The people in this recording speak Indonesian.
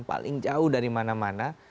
paling jauh dari mana mana